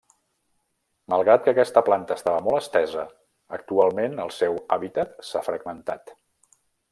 Malgrat que aquesta planta estava molt estesa, actualment el seu hàbitat s'ha fragmentat.